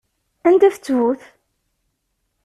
Anda-t ttbut?